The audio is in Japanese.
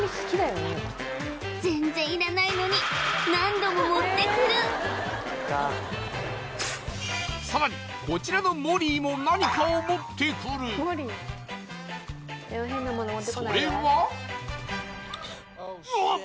全然いらないのに何度も持ってくるさらにこちらのモリーも何かを持ってくるそれは・うわっ！